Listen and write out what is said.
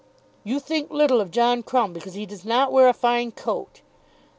You think little of John Crumb because he does not wear a fine coat."